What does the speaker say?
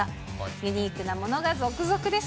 ユニークなものが続々です。